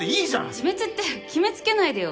自滅って決めつけないでよ